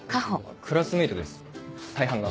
クラスメートです大半が。